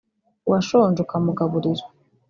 uwashonje ukamugaburira